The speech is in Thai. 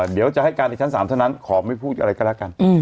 เดี๋ยวจะให้การในชั้น๓เท่านั้นขอไม่พูดอะไรก็แล้วกัน